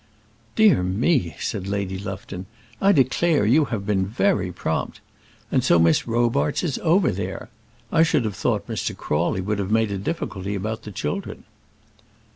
"Dear me!" said Lady Lufton. "I declare you have been very prompt. And so Miss Robarts is over there! I should have thought Mr. Crawley would have made a difficulty about the children."